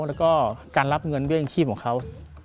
และการรับเงินเเบี้ยงชีพของเขา